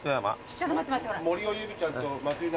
ちょっと待って待って。